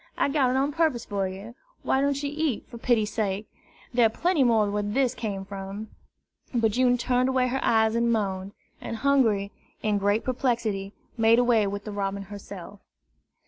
I got it on purpose for you. Why don't you eat, for pity's sake? There are plenty more where this came from!" But June turned away her eyes and moaned; and Hungry, in great perplexity, made away with the robin herself.